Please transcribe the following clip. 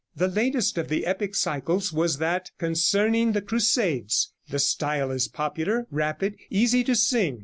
The latest of the epic cycles was that concerning the crusades. The style is popular, rapid, easy to sing.